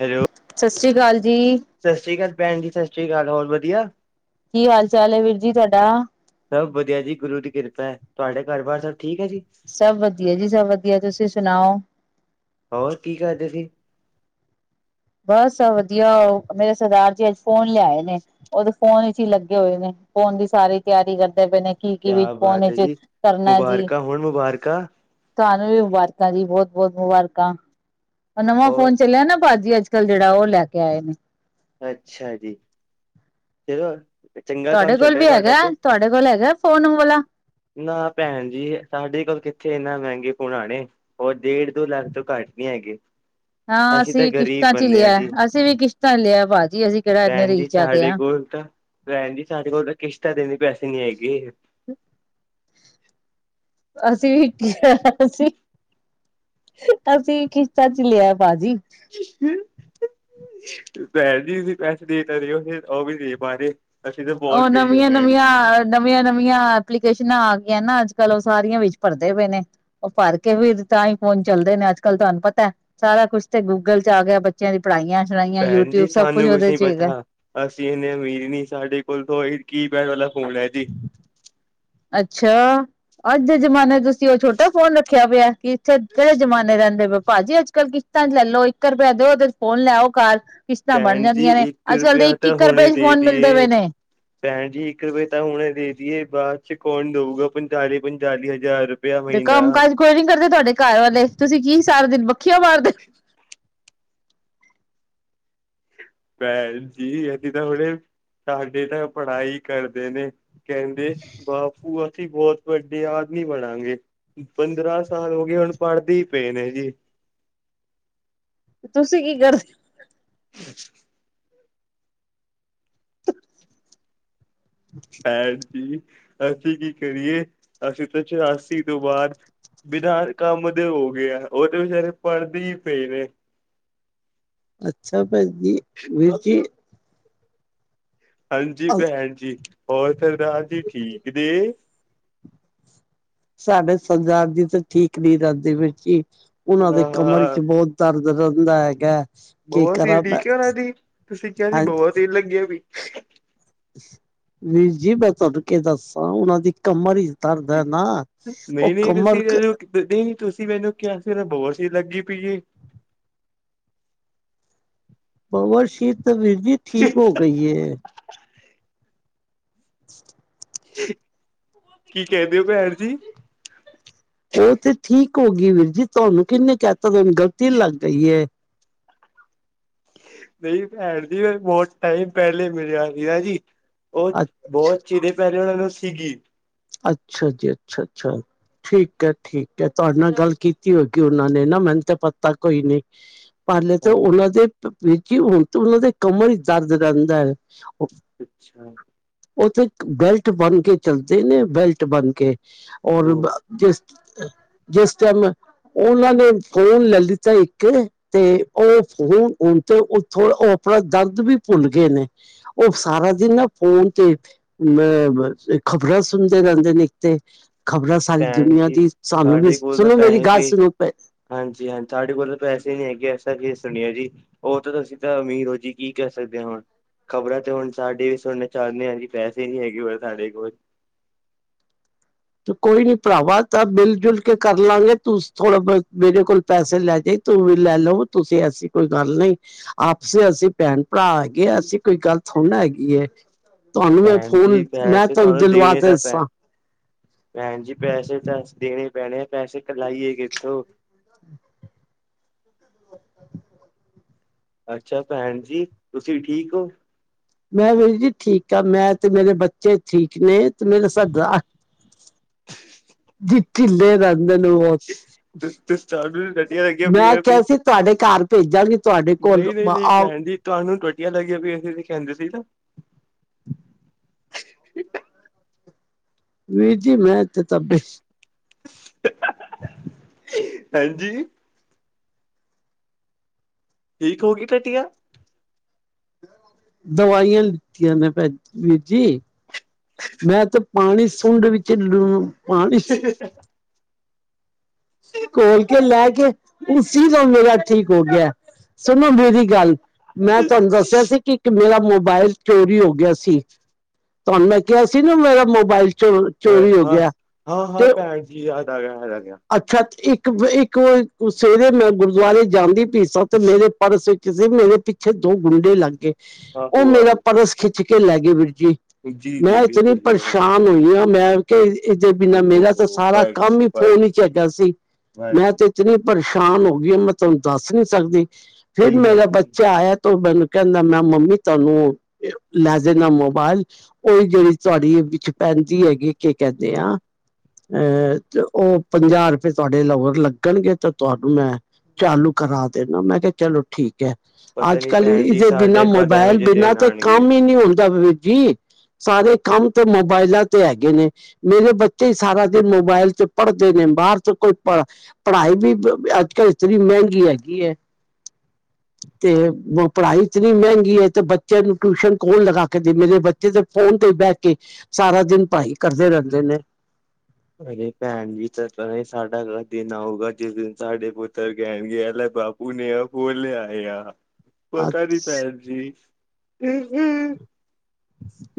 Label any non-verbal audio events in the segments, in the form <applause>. Hello ਸਤਿ ਸ੍ਰੀ ਅਕਾਲ ਜੀ। ਸਤਿ ਸ਼੍ਰੀ ਅਕਾਲ ਭੈਣ ਜੀ, ਸਤਿ ਸ਼੍ਰੀ ਅਕਾਲ ਹੋਰ ਵਧੀਆ? ਕੀ ਹਾਲ- ਚਾਲ ਐ, ਵੀਰ ਜੀ ਤੁਹਾਡਾ? ਸਭ ਵਧੀਆ ਜੀ, ਗੁਰੂ ਦੀ ਕਿਰਪਾ ਹੈ ਤੁਹਾਡੇ ਘਰ ਬਾਰ ਸਬ ਠੀਕ ਹੈ ਜੀ? ਸਭ ਵਧੀਆ ਜੀ, ਸਭ ਵਧੀਆ ਤੁਸੀਂ ਸੁਣਾਓ? ਹੋਰ ਕੀ ਕਰਦੇ ਸੀ? ਬਸ ਵਧੀਆ ਮੇਰੇ ਸਰਦਾਰ ਜੀ, ਅੱਜ ਫੋਨ ਲਿਆਏ ਨੇ। ਉਹ ਤੇ ਫੋਨ ਵਿੱਚ ਹੀ ਲੱਗੇ ਹੋਏ ਨੇ, ਫੋਨ ਦੀ ਸਾਰੀ ਤਿਆਰੀ ਕਰਦੇ ਪਏ ਨੇ। ਕੀ- ਕੀ ਵੀਚ ਕਿਆ ਬਾਤ ਫੋਨ ਹੈ ਚ ਜੀ ਕਰਨਾ ਏ ਜੀ। ਮੁਬਾਰਕਾਂ ਹੋਣ ਮੁਬਾਰਕਾਂ ਤੁਹਾਨੂੰ ਵੀ ਮੁਬਾਰਕਾਂ ਜੀ ਬੋਤ- ਬੋਤ ਮੁਬਾਰਕਾਂ। ਓ ਨਵਾਂ ਹੋਰ ਫੋਨ ਚੱਲਿਆ ਨਾ ਭਾਜੀ ਅੱਜ ਕੱਲ ਜੇਹੜਾ ਓ ਲੈ ਕੇ ਆਏ ਨੇ। ਅੱਛਾ ਜੀ। ਫੇਰ। ਤੁਹਾਡੇ ਕੋਲ ਵੀ ਹੈਗਾ, ਤੁਹਾਡੇ ਕੋਲ ਹੈਗਾ ਫੋਨ ਔਹ ਵਾਲਾ? ਨਾ ਭੈਣ ਜੀ, ਸਾਡੇ ਕੋਲ ਕਿੱਥੇ ਏਨਾ ਮਹਿੰਗੇ ਫੂਨ ਆਣੇ। ਓਹ, ਡੇਢ-ਦੋ ਲੱਖ ਤੋ ਘੱਟ ਨਹੀ ਹੈਗੇ। ਹਾਂ, ਅਸੀਂ ਤਾਂ ਵੀ ਗ਼ਰੀਬ ਕਿਸ਼ਤਾਂ'ਚ ਈ ਬੰਦੇ ਹਾਂ ਲਿਆ, ਜੀ ਅਸੀਂ ਵੀ ਕਿਸ਼ਤਾਂ'ਚ ਲਿਆ ਭਾਜੀ, ਅਸੀਂ ਕੇਹੜਾ ਏਨਾ ਰਈਸ ਜਾਦੇ ਆਂ। ਹੁਣ ਤਾਂ, ਰਹਿਨ ਲਈ ਸਾਡੇ ਕੋਲ ਤਾਂ ਕਿਸ਼ਤਾਂ ਦੇ ਵੀ ਪੈਸੇ ਨੀ ਹੈਗੇ। ਅਸੀ ਵੀ, ਅਸੀ ਅਸੀਂ ਕਿਸ਼ਤਾ'ਚ ਈ ਲਿਆ, ਭਾਜੀ। ਭੈਣ ਜੀ, ਤੁਸੀ ਪੈਸੇ ਤਾਂ ਦੇ ਤਾਂ ਰਹੇ ਓ, ਅਸੀ ਓ ਵੀ ਦੇ ਪਾਰੇ। ਅਸੀ ਤਾ ਬੋਤ ਗਰੀਬ ਆ, ਭੈਣ ਜੀ। ਨਵੀਆਂ-ਨਵੀਆਂ ਐਪਲੀਕੇਸ਼ਨਾਂ ਆ ਗਈਆਂ ਨਾ ਅੱਜ-ਕੱਲ, ਉਹ ਸਾਰੀਆਂ ਵਿੱਚ ਭਰਦੇ ਪਏ ਨੇ। ਉਹ ਭਰਕੇ ਵੀ ਤਾਂ ਈ ਫੋਨ ਚੱਲਦੇ ਨੇ, ਅੱਜ-ਕੱਲ ਤੁਹਾਨੂੰ ਪਤੈ, ਸਾਰਾ ਕੁੱਛ ਤੇ ਗੂਗਲ'ਚ ਆਗਿਆ ਬ ਬੱਚਿਆਂ ਦੀ ਪੜ੍ਹਾਈਆਂ, ਸ਼ੜਾਈਆਂ, ਭੈਣ ਜੀ ਯੂਟਿਊਬ ਸਭ ਕੁੱਝ ਸਾਨੂੰ ਕੁਛ ਨੀ ਉਹਦੇ'ਚ ਹੈਗਾ। ਪਤਾ ਅਸੀਂ ਏਨੇ ਅਮੀਰ ਨੀ, ਸਾਡੇ ਕੋਲ ਤੇ ਕੀਪੈਡ ਵਾਲਾ ਫੋਨ ਹੈ ਜੀ। ਅੱਛਾ! ਅੱਜ ਦੇ ਜ਼ਮਾਨੇ'ਚ ਤ ਤੁਸੀ ਓ ਛੋਟਾ ਫੋਨ ਰੱਖਿਆ ਪਿਆ, ਕਿ ਏਥੇ ਕਿਹੜੇ ਜਮਾਨੇ ਰਹਿੰਦੇ ਪਏ ਓ? ਭਾਜੀ, ਅੱਜ-ਕੱਲ ਕਿਸ਼ਤਾਂਚ ਲੈਲੋ, ਇੱਕ ਰੁਪਇਆ ਦਿਓ ਤੇ ਫੋਨ ਲਿਆਓ ਘਰ। ਕਿਸ਼ਤਾਂ ਬਣ ਭੈਣ ਜੀ ਜਾਂਦੀਆਂ ਨੇ, ਇੱਕ ਅੱਜ-ਕੱਲ ਦੇ ਰੁਪਇਆ ਤਾਂ ਇੱਕ-ਇੱਕ ਹੁਣੇ ਰੁਪਏ'ਚ ਦੇ ਫੋਨ ਮਿਲਦੇ ਦੀਏ ਪਏ ਨੇ। ਭੈਣ ਜੀ ਇੱਕ ਰੁਪਏ ਤਾਂ ਹੁਣ ਦੇ ਦੇਈਏ, ਬਾਅਦ'ਚ ਕੌਨ ਦਊਗਾ, ਪੰਤਾਲੀ-ਪੰਤਾਲੀ ਹਜ਼ਾਰ। ਰੁਪਇਆ ਤੇ ਮਹੀਨਾ ਕੰਮ ਕਾਜ ਕੋਈ ਨੀ ਕਰਦੇ ਤੁਹਾਡੇ ਘਰ ਵਾਲੇ, ਤੁਸੀਂ ਕੀ ਸਾਰਾ ਦਿਨ ਮਖੀਆਂ ਮਾਰਦੇ? ਭੈਣ ਜੀ, ਅਸੀ ਤਾਂ ਬੜੇ, ਸਾਡੇ ਤਾਂ ਪੜ੍ਹਾਈ ਕਰਦੇ ਨੇ। ਕਹਿੰਦੇ, ਬਾਪੂ ਅਸੀ ਬੋਹਤ ਵੱਡੇ ਆਦਮੀ ਬਣਾਂਗੇ। ਪੰਦਰਾਂ ਸਾਲ ਹੋਗੇ, ਹੁਣ ਪੜ੍ਹਦੇ ਈ ਪਏ ਨੇ ਜੀ। ਤੁਸੀਂ ਕੀ ਕਰ <inaudible> ਭੈਣ ਜੀ, ਅਸੀਂ ਕੀ ਕਰੀਏ? ਅਸੀਂ ਤਾਂ ਚੁਰਾਸੀ ਤੋਂ ਬਾਅਦ ਬਿਨਾ ਕੰਮ ਦੇ ਹੋਗੇ ਆ, ਉਹ ਤੇ ਵਿਚਾਰੇ ਪੜ੍ਹਦੇ ਈ ਪਏ ਨੇ। ਅੱਛਾ ਭੈਨ ਜੀ, ਵੀਰ ਜੀ ਹਾਂਜੀ ਭੈਣ ਜੀ, ਹੋਰ ਸਰਦਾਰ ਜੀ ਠੀਕ ਨੇ? ਸਾਡੇ ਸਰਦਾਰ ਜੀ ਤਾਂ ਠੀਕ ਨੀ ਰਹਿੰਦੇ ਵੀਰ ਜੀ, ਉਨਾਂ ਦੇ ਹਾਂ ਹਾਂ ਕਮਰ'ਚ ਬਹੁਤ ਦਰਦ ਰਹਿੰਦਾ ਹੈਗਾ। ਕੀ ਬਵਾਸੀਰ ਕਰਾਂ ਮੈਂ ਠੀਕ ਐ ਓਨਾ ਦੀ, ਤੁਸੀਂ ਕਿਹਾ ਸੀ ਹਾਂ ਬਵਾਸੀਰ ਲੱਗਿਆ ਵੀ। ਵੀਰ ਜੀ ਮੈਂ ਤੁਹਾਨੂੰ ਕੀ ਦੱਸਾ, ਉਹਨਾਂ ਦੀ ਕਮਰ ਈਚ ਦਰਦ ਐ ਨਾ, ਓਹ ਕਮਰ ਕ ਨਹੀਂ-ਨਹੀਂ, ਤੁਸੀਂ ਮੈਨੂੰ ਕਿਹਾ ਸੀ ਬਵਾਸੀਰ ਲੱਗੀ ਪਈ ਏ। ਬਵਾਸੀਰ ਤਾ ਵੀਰ ਜੀ, ਠੀਕ ਹੋ ਗਈ ਏ। ਕੀ ਕਹਿੰਦੇ ਓ, ਭੈਣ ਜੀ? ਉਹ ਤੇ ਠੀਕ ਹੋਗੀ ਏ ਵੀਰ ਜੀ, ਤੁਹਾਨੂੰ ਕਿੰਨੇ ਕਹਿਤਾ ਤੁਹਾਨੂੰ ਗਲਤੀ ਲੱਗ ਗਈ ਏ। ਨਹੀਂ ਭੈਣ ਜੀ, ਏ ਬੋਤ ਟਾਈਮ ਪਹਿਲੇ ਮਿਲਿਆ ਸੀ ਨਾਜੀ,, ਓ ਬਹੁਤ ਚਿਰੇ ਪਹਿਲੇ ਓਹਨਾ ਨੂੰ ਸੀਗੀ। ਅੱਛਾ ਜੀ, ਅੱਛਾ-ਅੱਛਾ। ਠੀਕ ਐ, ਠੀਕ ਐ, ਤੁਹਾਡੇ ਨਾਲ ਗੱਲ ਕੀਤੀ ਹੋਏਗੀ ਉਹਨਾਂ ਨੇ ਨਾ, ਮੈਨੂੰ ਤੇ ਪਤਾ ਕੋਈ ਨੀ। ਪੈਲੇ ਤੇ ਉਹਨਾਂ ਹਾਂਜੀ ਦੇ, ਵਿੱਚ ਹੀ ਹੁਣ ਤੇ ਉਹਨਾਂ ਦੇ ਕਮਰ ਇਚ ਦਰਦ ਰਹਿੰਦਾ ਏ। ਅੱਛਾ। ਔ ਤੇ ਬੈਲਟ ਬਨ ਕੇ ਚੱਲਦੇ ਨੇ, ਬੈਲਟ ਬਨ ਕੇ ਔਰ ਉਹ ਜਿਸ ਜਿਸ ਟਾਈਮ ਉਹਨਾਂ ਨੇ ਫੋਨ ਲੈ ਲਿੱਤਾ ਇੱਕ ਤੇ ਉਹ ਹੁਣ ਹੁਣ ਤੇ ਉੱਥੋਂ, ਉਹ ਆਪਣਾ ਦੰਦ ਵੀ ਭੁੱਲ ਗਏ ਨੇ ਉਹ ਸਾਰਾ ਦਿਨ ਨਾ ਫੋਨ ਤੇ, ਮੈਂ ਬਸ ਖ਼ਬਰਾਂ ਸੁਣਦੇ ਰਹਿੰਦੇ ਨੇਿਕਤੇ ਖ਼ਬਰਾਂ ਸਾਰੀ ਭੈਣ ਦੁਨੀਆਂ ਜੀ ਦੀ ਸਾਨੂੰ ਵੀ, ਸਾਡੇ ਕੋਲ ਤਾਂ ਸੁਣੋ ਮੇਰੀ ਪੈਸੇ ਗੱਲ ਸੀ ਸੁਣੋ ਹਾਂਜੀ ਹਾਂਜੀ ਸਾਡੇ ਕੋਲ ਤਾਂ ਪੈਸੇ ਨੀ ਹੈਗੇ, ਐਸਾ ਕੀ ਸੁਣੀਏ ਜੀ ਹੋਰ ਓਥੋਂ ਤਾਂ ਸਿੱਧਾ ਅਮੀਰ ਹੋ ਜੀ, ਕੀ ਕਹਿ ਸਕਦੇ ਆਂ ਹੁਣ ਖਬਰਾਂ ਤੇ ਹੁਣ ਸਾਡੇ ਵੀ ਸੁਣਨਾ ਚਾਹਨੇ ਆ ਜੀ, ਪੈਸੇ ਨੀ ਹੈਗੇ ਹੋਰ ਸਾਡੇ ਕੋਲ ਕੋਈ ਨੀ ਭਰਾਵਾ, ਸਬ ਮਿਲ ਜੁਲ ਕੇ ਕਰ ਲਾਂਗੇ, ਤੂੰ ਥੋੜਾ ਬਹੁਤ ਮੇਰੇ ਕੋਲ ਪੈਸੇ ਲੈ ਤੂੰ ਵੀ ਲੈ ਲੋ ਤੁਸੀਂ, ਐਸੀ ਕੋਈ ਗੱਲ ਨਹੀਂ ਆਪਸ ਅਸੀਂ ਭੈਣ ਭਰਾ ਹੈਗੇ, ਅਸੀਂ ਕੋਈ ਗੱਲ ਥੋੜੀ ਨਾ ਹੈਗੀ ਐ ਤੁਹਾਨੂੰ ਮੈਂ ਭੈਣ ਜੀ ਫੋਨ, ਮੈਂ ਪੈਸੇ ਤੁਹਾਨੂੰ ਦਿਲਵਾ ਦੇਣੇ ਤਾਂ ਪੈ ਦੇਸਾਂ ਭੈਣ ਜੀ ਪੈਸੇ ਤਾਂ ਦੇਣੇ ਈ ਪੈਣੇ ਐ, ਪੈਸੇ ਕਢਾਈਏ ਕਿਥੋਂ? ਹ <inaudible> ਅੱਛਾ ਭੈਣ ਜੀ ਤੁਸੀਂ ਠੀਕ ਹੋ ਮੈਂ ਵੀਰ ਜੀ ਠੀਕ ਆਂ, ਮੈਂ ਤੇ ਮੇਰੇ ਬੱਚੇ ਬੱਚੇ ਠੀਕ ਨੇ, ਤੇ ਮੇਰੇ ਸਰਦਾਰ ਜੀ ਢਿੱਲੇ ਰਹਿੰਦੇ ਨੇ। ਮੈਂ ਨੂੰ ਬਹੁਤ, ਸਾਨੂੰ ਟੱਟੀਆਂ ਲੱਗੀਆਂ ਮੈਂ ਪਈਆਂ ਕਿਹਾ ਸੀ। ਤੁਹਾਡੇ ਘਰ ਭੇਜਾਂਗੀ ਤੁਹਾਡੇ ਕੋਲ ਨਹੀਂ ਨਹੀਂ ਨਹੀਂ ਆਉ। ਭੈਣ ਜੀ ਤੁਹਾਨੂੰ ਟੁੱਟੀਆਂ ਲੱਗੀਆਂ ਪਈ, ਅਸੀਂ ਕਹਿੰਦੇ ਸੀ ਨਾ ਵੀਰ ਜੀ ਮੈਂ ਤੇ ਤਪੀਸ਼ ਹੈਂ ਜੀ ਠੀਕ ਹੋ ਗਈ ਟੱਟੀਆਂ। ਦਵਾਈਆਂ ਲਿੱਤੀਆਂ ਨੇ ਭੈ ਵੀਰ ਜੀ ਮੈਂ ਤੇ ਪਾਣੀ ਸੁੰਡ, ਵਿੱਚ ਲੂਣ ਪਾਣੀ ਘੋਲ ਕੇ ਲੈ ਕੇ, ਉਸੀ ਤੋਂ ਮੇਰਾ ਠੀਕ ਹੋ ਗਿਆ ਸੁਣੋ ਮੇਰੀ ਗੱਲ ਮੈਂ ਤੁਹਾਨੂੰ ਦੱਸਿਆ ਸੀ, ਕਿ ਇੱਕ ਮੇਰਾ ਮੋਬਾਇਲ ਚੋਰੀ ਹੋ ਗਿਆ ਸੀ, ਤੁਹਾਨੂੰ ਮੈਂ ਕਿਹਾ ਸੀ ਨਾ ਮੇਰਾ ਮੋਬਾਇਲ ਹੈ ਹਾਂ ਹਾਂ ਹਾਂ ਭੈਣ ਜੀ ਯਾਦ ਆ ਗਿਆ, ਆ ਆ ਗਿਆ ਅੱਛਾ ਇੱਕ ਇੱਕ ਵਾਰੀ ਸਵੇਰੇ ਮੈਂ ਗੁਰਦੁਆਰੇ ਜਾਂਦੀ ਪਈ ਸਾਂ, ਤੇ ਮੇਰੇ ਪਰਸ ਵਿੱਚ ਸੀ, ਮੇਰੇ ਪਿੱਛੇ ਦੋ ਗੁੰਡੇ ਲੱਗ ਗਏ, ਉਹ ਆਹੋ ਮੇਰਾ ਆਹੋ ਪਰਸ ਖਿੱਚ ਖਿੱਚ ਕੇ ਲੈ ਗਏ ਵੀਰ ਜੀ ਜੀ ਜੀ ਮੈਂ ਇਤਨੀ ਬਿਲਕੁਲ ਜੀ ਮ ਪਰੇਸ਼ਾਨ ਹੋਈ ਆਂ ਮੈਂ ਕੇ, ਏਦੇ ਬਿਨਾਂ ਮੇਰਾ ਤਾਂ ਹੋ ਸਾਰਾ ਵਾਹਿਗੁਰੂ ਕੰਮ ਹੀ ਫੋਨ ਵਾਹਿਗੁਰੂ ਇਚ ਹੈਗਾ ਸੀ, ਮੈਂ ਵਾਹਿਗੁਰੂ ਤੇ ਇਤਨੀ ਪਰੇਸ਼ਾਨ ਹੋ ਗਈ ਮੈਂ ਤੁਹਾਨੂੰ ਦੱਸ ਨੀ ਸਕਦੀ ਫਿਰ ਸਹੀ ਗੱਲ ਮੇਰਾ ਹੈ ਬੱਚਾ ਆਇਆ ਤੇ ਮੈਨੂੰ ਕਹਿੰਦਾ ਮੈਂ ਮੰਮੀ ਤੁਹਾਨੂੰ ਲੈ ਦਿੰਦਾ ਮੋਬਾਇਲ ਉਹ ਜਿਹੜੀ ਤੁਹਾਡੀ ਵਿੱਚ ਭੈਣ ਜੀ ਹੈਗੇ, ਕਿ ਕਹਿੰਦੇ ਆ ਅਹ ਉਹ ਪੰਜਾਹ ਰੁਪਏ ਤੁਹਾਡੇ ਹੋਰ ਲੱਗਣਗੇ, ਤੇ ਤੁਹਾਨੂੰ ਮੈਂ ਚਾਲੂ ਕਰਾ ਦੇਣਾ, ਮੈਂ ਕਿਹਾ ਚਲੋ ਠੀਕ ਪਤਾ ਅੱਜ ਨੀ ਕੱਲ ਭੈਣ ਜੀ ਇਦੇ ਬਿਨਾਂ ਸਾਡੇ ਕਦ ਐਵੇਂ ਮੋਬਾਇਲ ਜਿਹੇ ਬਿਨਾਂ ਦਿਨ ਤੇ ਆਣਗੇ ਕੰਮ ਹੀ ਨਹੀਂ ਹੁੰਦਾ, ਵੀਰ ਜੀ ਸਾਰੇ ਕੰਮ ਤੇ ਮੋਬਾਇਲਾਂ ਤੇ ਹੈਗੇ ਨੇ, ਮੇਰੇ ਬੱਚੇ ਸਾਰਾ ਦਿਨ ਮੋਬਾਇਲ ਚ ਪੜ੍ਹਦੇ ਨੇ, ਬਾਹਰ ਚ ਕੋਈ ਪੜ੍ਹ ਪੜ੍ਹਾਈ ਵੀ ਅੱਜ ਕੱਲ੍ਹ ਇਤਨੀ ਮਹਿੰਗੀ ਹੈਗੀ ਹੈ ਤੇ ਪੜਾਈ ਇਤਨੀ ਮਹਿੰਗੀ ਹੈ ਤੇ ਬੱਚਿਆਂ ਨੂੰ ਟਿਊਸ਼ਨ ਕੌਣ ਲਗਾ ਕੇ ਦੇ ਮੇਰੇੇ ਬ- ਕਿ ਤੇ ਫੋਨ ਤੇ ਬਹਿ ਕੇ ਸਾਰਾ ਦਿਨ ਭਾਈ ਪੜਾਈ ਰਹਿੰਦੇ ਨੇ। ਅਰੇ ਭੈਣ ਜੀ ਪਤਾਂ ਨੀ ਸਾਡਾ ਓ ਦਿਨ ਆਊਗਾ ਜਿਸ ਦਿਨ ਸਾਡੇ ਪੁੱਤਰ ਕਹਿਣਗੇ ਏ ਲੈਂ ਬਾਪ- ਤੂ ਨਯਾ ਫੋਨ ਲੈਂ ਆ ਯਾ- ਪਤਾ ਨੀ ਭੈਣ ਜੀ,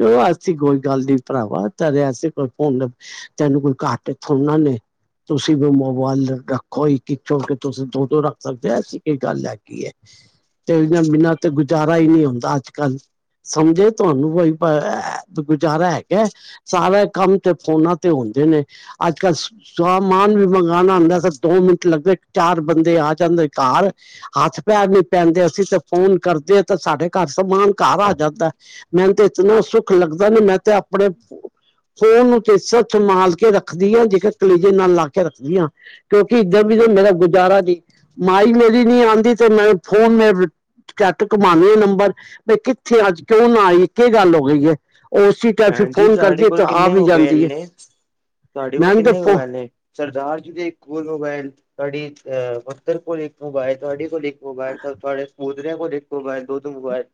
ਕੇ ਆਸੀ ਕੋਈ ਗੱਲ ਨੀ ਭਰਾਵਾ ਤੇਰੇ ਆਸੀ ਕੋਈ ਫੋਨ, ਤੈਨੂੰ ਕੋਈ ਘੱਟ ਥੋੜੀ ਨਾ ਨੇ। ਤੁਸੀਂ ਵੀ ਮੋਬਾਈਲ ਰੱਖੋ ਇਕ- ਇਕ ਛੋਡ ਕੇ ਤੁਸੀਂ ਦੋ- ਦੋ ਰੱਖ ਸਕਦੇ ਹੋ ਐਸੀ ਕੀ ਗੱਲ ਹੈਗੀ ਐਂ। ਤੇ ਇਹਨਾਂ ਬੀਨਾ ਤੇ ਗੁਜ਼ਾਰਾ ਹੀ ਨਈ ਹੁੰਂਦਾ ਅੱਜ ਕੱਲ ਸਮਝੇ ਤੁਹਾਨੂੰ ਬਾਈ, ਪਰ ਐ ਗੁਜ਼ਾਰਾ ਹੈਗਾ ਸਾਰਾ ਕੰਮ ਤੇ ਫੋਨਾਂ ਤੇ ਹੁੰਦੇ ਨੇ। ਅੱਜ ਕੱਲ ਸਾਮਾਨ ਵੀ ਮੰਗਵਾਉਣਾ ਹੁੰਦਾ ਸਿਰਫ ਦੋ ਮਿੰਟ ਲੱਗਦੇ ਚਾਰ ਬੰਦੇ ਆ ਜਾਂਦੇ ਘਰ। ਹੱਥ ਪੈਰ ਨੀ ਪੈਂਦੇ ਅਸੀਂ ਤੇ ਫੋਨ ਕਰਦੇ ਹ ਤੇ ਸਾਡੇ ਘਰ ਸਮਾਨ ਘਰ ਆ ਜਾਂਦਾ। ਮੈਨੂੰ ਤੇ ਇਤਨਾ ਸੁੱਖ ਲੱਗਦਾ ਨਾ, ਮੈਂ ਤੇ ਆਪਣੇ- ਫੋਨ ਨੂੰ ਤੇ ਇਸ ਸੰਭਾਲ ਕੇ ਰੱਖਦੀ ਆ ਜੇਕਰ ਕਲੇਜੇ ਨਾਲ ਲਾ ਕੇ ਰੱਖਦੀ ਆ। ਕਿਉਂਕਿ ਇੱਧਰ ਵੀ ਮੇਰਾ ਗੁਜ਼ਾਰਾ ਨਹੀਂ ਮਾਈ ਮੇਰੀ ਨੀ ਆਉਂਦੀ ਤੇ ਮੈਂ ਫੋਨ ਮੇ, ਕੈਟ ਕਮਾਨ ਨੰਬਰ ਬੀ ਕਿੱਥੇ ਅੱਜ ਕਿਉਂ ਨਾ ਆਈ ਕਿ ਗੱਲ ਹੋ ਗਈ ਐ, ਉਹ ਸੀ- ਭੈਣ ਜੀ ਤੁਹਾਡੇ ਕੋਲ ਕਿੰਨੇ ਮੋਬਾਇਲ ਨੇ, ਤੁਹਾਡੇ ਕੋਲ ਮੈਂ ਤਾਂ ਕਿੰਨੇ ਫੋ- ਮੋਬਾਇਲ ਨੇ। ਸਰਦਾਰ ਜੀ ਦੇ ਇੱਕ ਕੋਲ ਮੋਬਾਇਲ ਤੁਹਾਡੀੇ ਅਹ ਮੱਤਰ ਕੋਲ ਇੱਕ ਮੋਬਾਇਲ ਤੁਹਾਡੇ ਕੋਲ ਇੱਕ ਮੋਬਾਇਲ ਸ ਤੁਹਾਡੇ ਖੂਦ ਦੇ ਕੋਲ ਇਕ ਮੋਬਾਇਲ ਦੋ- ਦੋ ਮੋਬਾਇਲ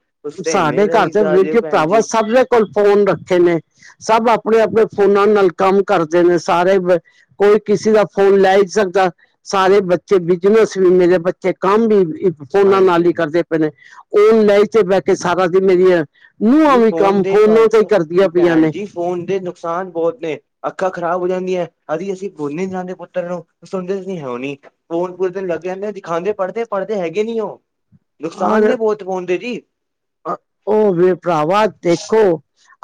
ਤਾਂ ਇੰਨੇ ਸਾਡੇ ਘਰ ਰਹੀ ਤੇ ਜਾ ਵੇਖ ਰਹੇ ਹੋ ਕੇ ਭੈਣ ਭਰਾਵਾ ਜੀ ਸਭ ਦੇ ਕੋਲ ਫੋਨ ਰੱਖੇ ਨੇ ਸਭ ਆਪਣੇ- ਆਪਣੇ ਫੋਨਾਂ ਨਾਲ ਕੰਮ ਕਰਦੇ ਨੇ ਸਾਰੇ- ਕੋਈ ਕਿਸੇ ਦਾ ਫੋਨ ਲੈ ਨੀ ਸਕਦਾ। ਸਾਰੇ ਬੱਚੇ ਬਿਜਨਸ ਵੀ, ਮੇਰੇ ਬੱਚੇ ਕੰਮ ਵੀ, ਫੋਨਾਂ ਨਾਲ ਹਾਂਜੀ ਹੀ ਕਰਦੇ ਪਏ ਨੇ, ਉਹ ਲੈ ਤੇ ਬਹਿ ਕੇ ਸਾਰਾ ਦੀ ਮੇਰੀਆਂ, ਨੂੰਹਾਂ ਜੀ ਵੀ ਫੋਨ ਕੰਮ ਦੇ ਫੋਨਾਂ ਤੇ ਹੀ ਤੁਹਾਡੇ ਕਰਦੀਆਂ ਜੀ ਪਈਆਂ ਭੈਣ ਨੇ। ਜੀ ਫੋਨ ਦੇ ਨੁਕਸਾਨ ਬੋਤ ਨੇ ਅੱਖਾਂ ਖ਼ਰਾਬ ਹੋ ਜਾਂਦੀਆਂ ਅਦੀ ਅਸੀਂ ਮੂਲ ਈ ਜਾਂਦੇ ਪੁੱਤਰ ਨੂੰ। ਸੁਣਦੇ ਨ ਹੈ ਨੀ ਹੋਲੀ ਫੋਨ ਪੂਰੇ ਦਿਨ ਲੱਗ ਜਾਂਦੇ ਦਿਖਾਦੇ ਪੜਦੇ -ਪੜਦੇ ਹੈਗੇ ਨੀ ਉਹ। ਨੁਕਸਾਨ ਔਰ ਨੇ ਬੋਤ ਫੋਨ ਦੇ ਜੀ। ਉਹ ਵੀ ਭਰਾਵਾ ਦੇਖੋ,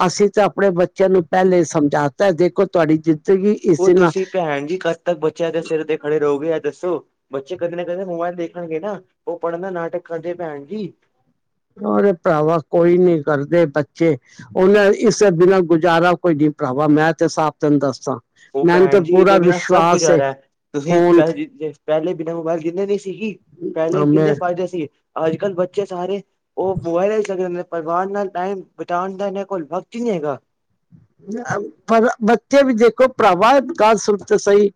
ਅਸੀਂ ਤਾਂ ਆਪਣੇ ਬੱਚਿਆਂ ਨੂੰ ਪਹਿਲੇ ਸਮਝਾਤਾ ਦੇਖੋ ਤੁਹਾਡੀ ਜ਼ਿੰਦਗੀ ਇਸ ਉਹ ਨਾਲ, ਤੁਸੀਂ ਭੈਣ ਜੀ ਕ- ਤੱਕ ਬੱਚਿਆਂ ਦੇ ਸਿਰ ਤੇ ਖੜੇ ਰਹੋਗੇ ਏ ਦੱਸੋ। ਬੱਚੇ ਕਦੇ ਨਾ ਕਦੇ ਮੋਬਾਇਲ ਦੇਖਣਗੇ ਨਾ, ਉਹ ਪੜਨ ਦਾ ਨਾਟਕ ਕਰਦੇ ਪੈਣ ਜੀ। ਉਹਦੇ ਭਰਾਵਾ ਕੋਈ ਨੀ ਕਰਦੇ ਬੱਚੇ। ਉਹਨਾਂ ਇਸੇ ਬਿਨਾਂ ਗੁਜ਼ਾਰਾ ਕੋਈ ਨੀ ਭਰਾਵਾ ਮੈਂ ਤੇ ਸਾਫ ਤੈਨੂੰ ਦੱਸਦਾ। ਉਹ ਭੈਣ ਜੀ ਇਹਦੇ ਬਿਨਾ ਸਭ ਗੁਜ਼ਾਰਾ ਏ, ਤੁਸੀਂ ਫੋਨ ਚਾਹੇ - ਪਹਿਲੇ ਬਿਨਾਂ ਮੋਬਾਇਲ ਜਿਂਦੇ ਨੀ ਸੀ ਕੀ ਪਹਿਲੇ ਕਿੰਨੇ ਮੈਂ ਫਾਇਦੇ ਸੀਗੇ ਅੱਜ ਕੱਲ ਬੱਚੇ ਸਾਰੇ- ਉਹ ਮੋਬਾਇਲ ਯੂਜ ਕਰਦੇ ਰਹਿੰਦੇ ਨੇ ਪਰਵਾਰ ਨਾਲ ਟਾਈਮ ਬਿਤਾਣ ਦਾ ਇਹਨਾਂ ਕੋਲ ਵਕਤ ਈ ਨੀ ਹੈਗਾ। ਪਰ ਬੱਚੇ ਵੀ ਦੇਖੋ ਭਰਾਵਾ, ਅਧ ਗਲ ਸੁਨ ਤੇ ਸਹੀ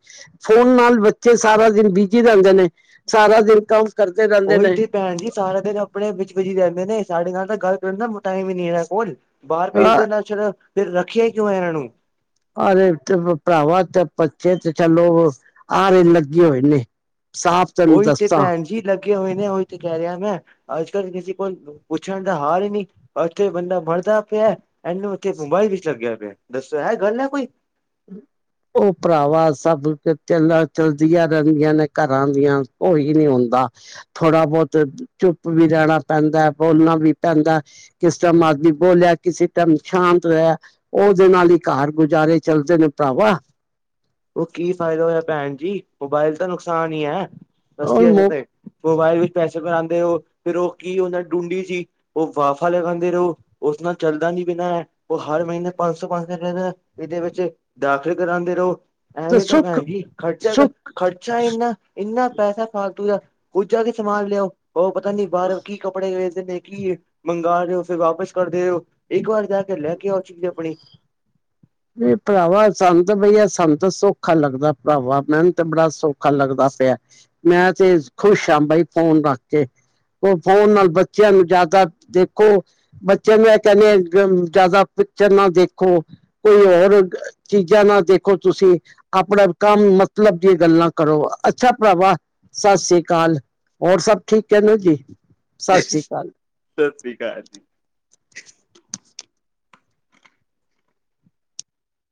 ਫੋਨ ਨਾਲ ਬੱਚੇ ਸਾਰਾ ਦਿਨ ਬਿਜੀ ਰਹਿੰਦੇ ਨੇ, ਸਾਰਾ ਦਿਨ ਕੰਮ ਕਰਦੇ ਰਹਿੰਦੇ ਉਹੀ ਨੇ। ਤੇ ਭੈਣ ਜੀ ਸਾਰਾ ਦਿਨ ਆਪਣੇ ਵਿੱਚ ਬਿਜੀ ਰਹਿੰਦੇ ਨੇ ਸਾਡੇ ਨਾਲ ਤਾਂ ਗੱਲ ਕਰਨ ਦਾ ਮ ਟਾਈਮ ਹੀ ਨੀ ਇਹਨਾਂ ਕੋਲ। ਬਾਹਰ ਅ ਭੇਜ ਦੇ ਨਾਲ ਚੱਲ, ਫੇਰ ਰੱਖਿਆ ਈ ਕਿਉਂ ਏ ਇਹਨਾਂ ਨੂੰ। ਅਰੇ ਤੇ ਭਰਾਵਾ ਤੇ ਬਰਚੇ ਤੇ ਚਲੋ ਆਰੇ ਲੱਗੇ ਹੋਏ ਨੇ। ਸਾਫ਼ ਤੇਨੂੰ ਉਹੀ ਤੇ ਦੱਸਾਂ। ਭੈਣ ਜੀ ਲੱਗੇ ਹੋਏ ਨੇ ਉਈ ਤੇ ਕਹਿ ਰਿਹਾ ਮੈਂ ਅੱਜ ਕੱਲ ਕਿਸੇ ਕੋਲ ਪੁੱਛਣ ਦਾ ਹਾਰ ਹੀ ਨਹੀਂ। ਉੱਥੇ ਬੰਦਾ ਮਰਦਾ ਪਿਆ, ਇਹਨੂੰ ਉੱਥੇ ਮੁੰਬਾਈਲ ਵਿੱਚ ਲੱਗਿਆ ਪਿਆ ਦੱਸੋ ਇਹ ਗੱਲ ਹੈ ਕੋਈ। ਹੂ ਉਹ ਭਰਾਵਾ ਸਭ ਚੱਲ ਚਲਦੀਆਂ ਰਹਿੰਦੀਆਂ ਨੇ ਘਰਾਂ ਦੀਆਂ ਕੋਹੀ ਨੀ ਹੁੰਦਾ। ਥੋੜ੍ਹਾ ਬਹੁਤ ਚੁੱਪ ਵੀ ਰਹਿਣਾ ਪੈਂਦਾ ਹੈ, ਬੋਲਣਾ ਵੀ ਪੈਂਦਾ। ਕਿਸ ਟਾਈਮ ਆਦਮੀ ਬੋਲਿਆ, ਕਿਸੇ ਟਾਈਮ ਸ਼ਾਂਤ ਹੋਇਆ, ਉਹਦੇ ਨਾਲ ਹੀ ਘਰ ਗੁਜ਼ਾਰੇ ਚੱਲਦੇ ਨੇ ਭਰਾਵਾ। ਉਹ ਕੀ ਫਾਇਦਾ ਹੋਇਆ ਭੈਣ ਜੀ, ਮੋਬਾਇਲ ਤਾਂ ਨੁਕਸਾਨ ਹੀ ਹੈ, ਦਸੀ ਉਹ ਅੇ ਮੁ- ਤੇ। ਮੋਬਾਇਲ ਵਿੱਚ ਪੈਸੇ ਬਣਾਉਂਦੇ ਉਹ, ਫਿਰ ਉਹ ਕੀ ਉਹਨਾਂ ਡੂੰਡੀ ਜਿਹੀ। ਉਹ ਵਾਫ਼ਾ ਲਗਾਉਂਦੇ ਰਹੋ, ਉਸ ਨਾਲ ਚੱਲਦਾ ਨੀ ਬਿਨਾਂ ਏ। ਉਹ ਹਰ ਮਹੀਨੇ ਪੰਜ ਸੌ, ਪੰਜ ਸੌ ਪਾਉਂਦੇ ਇਹਦੇ ਵਿੱਚ ਦਾਖਲ ਕਰਾਉਂਦੇ ਰਹੋ। ਤੇ ਐਵੇਂ ਤਾਂ ਸੁੱਖ ਭੈਣ ਜੀ, ਖਰਚਾ, ਸੁੱਖ ਖਰਚਾ ਇੰਨਾ। ਇੰਨਾ ਪੈਸਾ ਫਾਲਤੂ ਦਾ, ਕੁੱਜਾ ਕੁ ਸਮਾਨ ਲਿਆਓ ਉਹ ਪਤਾ ਨੀ ਬਾਹਰੋਂ ਕੀ ਕੱਪੜੇ ਵੇਚਦੇ ਪਏ। ਕੀ ਐ, ਮੰਗਾ ਕੇ ਫਿਰ ਵਾਪਿਸ ਕਰਦੇ ਓ, ਇੱਕ ਵਾਰ ਜਾ ਕੇ ਲੈ ਕੇ ਆਓ ਚੀਜ਼ ਆਪਣੀ। ਏ ਭਰਾਵਾ ਸਾਨੂੰ ਬਈ ਆ ਸਾਨੂੰ ਸੌਖਾ ਲੱਗਦਾ ਭਰਾਵਾਂ ਮੈਨੂੰ ਤੇ ਬੜਾ ਸੌਖਾ ਲੱਗਦਾ ਪਿਆ। ਮੈਂ ਤੇ ਖੁਸ਼ ਹਾਂ ਬਾਈ ਫੋਨ ਰੱਖ ਕੇ। ਉਹ ਫੋਨ ਨਾਲ ਬੱਚਿਆਂ ਨੂੰ ਜ਼ਿਆਦਾ ਦੇਖੋ ਬੱਚਿਆਂ ਨੂੰ ਇਹ ਕਹਿੰਦੇ ਆ ਜ਼ਿਆਦਾ ਪਿਕਚਰ ਨਾ ਦੇਖੋ' ਕੋਈ ਹੋਰ ਚੀਜ਼ਾਂ ਨਾਲ ਦੇਖੋ ਤੁਸੀਂ। ਆਪਣਾ ਕੰਮ ਮਤਲਬ ਦੀਆਂ ਗੱਲਾਂ ਕਰੋ। ਅੱਛਾ ਭਰਾਵਾ ਸਤਿ ਸ੍ਰੀ ਅਕਾਲ। ਔਰ ਸਭ ਠੀਕ ਹੈ ਨਾ ਜੀ ਸਤਿ ਸ਼੍ਰੀ ਅਕਾਲ। ਸਤਿ ਸ਼੍ਰੀ ਅਕਾਲ ਜੀ।